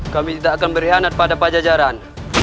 kami tidak akan berhianat pada pajajaran